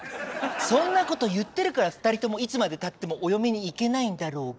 そんなこと言ってるから２人ともいつまでたってもお嫁に行けないんだろうが。